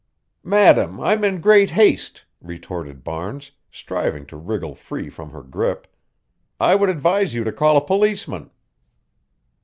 "Madam, I'm in great haste," retorted Barnes, striving to wriggle free from her grip. "I would advise you to call a policeman."